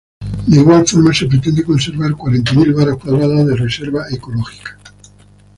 De igual forma se pretende conservar cuarenta mil varas cuadradas de reserva ecológica.